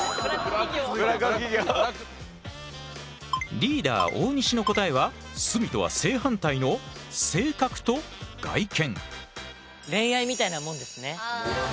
リーダー大西の答えは角とは正反対の「性格」と「外見」。